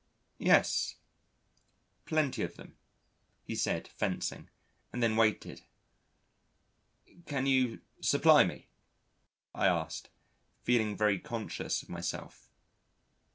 "Yes, plenty of them," he said, fencing. And then waited. "Can you supply me?" I asked, feeling very conscious of myself.